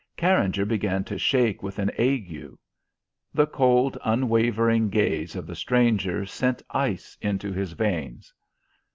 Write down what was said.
Carringer began to shake with an ague. The cold, unwavering gaze of the stranger sent ice into his veins.